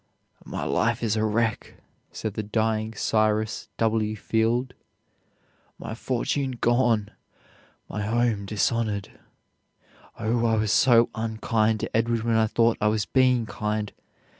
"My life is a wreck," said the dying Cyrus W. Field, "my fortune gone, my home dishonored. Oh, I was so unkind to Edward when I thought I was being kind.